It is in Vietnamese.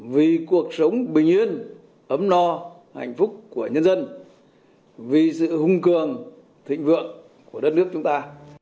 vì cuộc sống bình yên ấm no hạnh phúc của nhân dân vì sự hung cường thịnh vượng của đất nước chúng ta